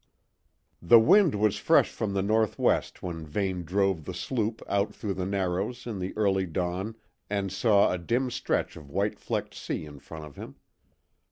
The wind was fresh from the north west when Vane drove the sloop out through the Narrows in the early dawn and saw a dim stretch of white flecked sea in front of him.